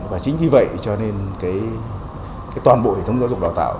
và chính vì vậy cho nên toàn bộ hệ thống giáo dục đào tạo